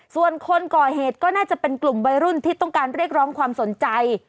ส่วนคนก่อเหตุก็น่าจะเป็นกลุ่มวัยรุ่นที่ต้องการเรียกร้องความสนใจ